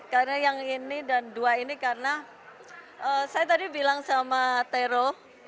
karena yang ini dan dua ini karena saya tadi bilang sama tero